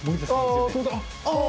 ああ。